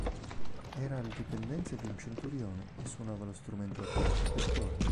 Era alle dipendenze di un centurione e suonava lo strumento a fiato del corno.